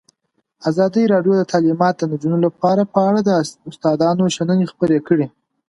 ازادي راډیو د تعلیمات د نجونو لپاره په اړه د استادانو شننې خپرې کړي.